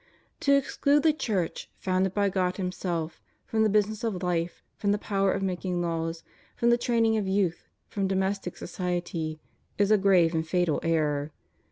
To exclude the Church, founded by God Himself, from the business of life, from the power of making laws, from the training of youth, from domestic society, is a grave and fatal error.